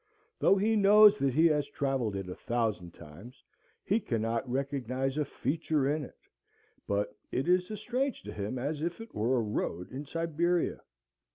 Though he knows that he has travelled it a thousand times, he cannot recognize a feature in it, but it is as strange to him as if it were a road in Siberia.